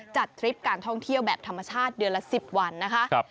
ทริปการท่องเที่ยวแบบธรรมชาติเดือนละ๑๐วันนะคะ